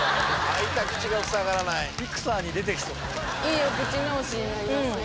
いいお口直しになりますね